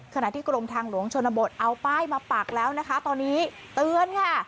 ขณะที่กรมทางหลวงชนบทเอาป้ายมาปักแล้วนะคะตอนนี้เตือนค่ะ